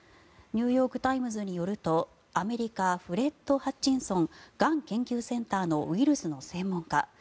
ニューヨーク・タイムズによるとアメリカフレッド・ハッチンソンがん研究センターのウイルスの専門家